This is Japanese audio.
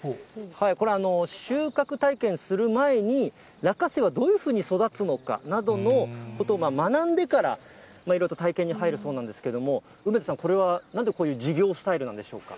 これ、収穫体験する前に、落花生はどういうふうに育つのかなどのことが、学んでから、いろいろと体験に入るそうなんですけれども、梅津さん、これはなんでこういう授業スタイルなんでしょうか。